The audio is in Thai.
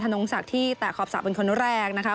นงศักดิ์ที่แตะขอบสระเป็นคนแรกนะคะ